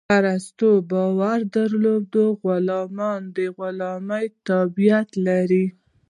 ارسطو باور درلود غلامان د غلامي طبیعت لري.